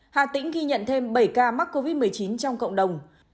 hà tĩnh ghi nhận thêm bảy ca mắc covid một mươi chín trong cộng đồng